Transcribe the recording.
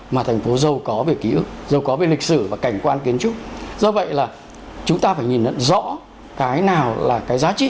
mà thành phố dâu có về ký ức dâu có về lịch sử và cảnh quan kiến trúc